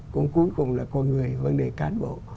cũng cuối cùng là con người vấn đề cán bộ